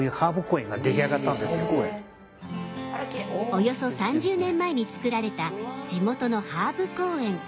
およそ３０年前に造られた地元のハーブ公園。